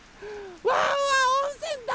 ワンワンおんせんだいすき！